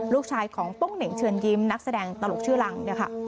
ลูกชายของโป้งเหน่งเชิญยิ้มนักแสดงตลกชื่อรังเนี่ยค่ะ